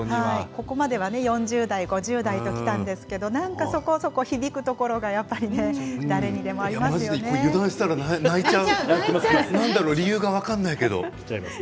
ここまでは４０代５０代ときたんですけどなんか、そこそこ響くところが誰にでもありますよね。油断したら泣いちゃうなんだろう理由が分からないけど。